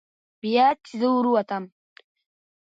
بیا چې زه ور ووتم.